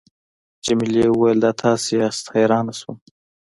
جميلې وويل:: دا تاسي یاست، حیرانه شوم.